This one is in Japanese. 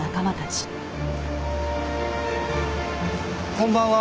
こんばんは。